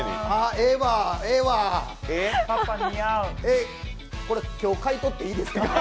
ええわ、これ今日買い取っていいですか？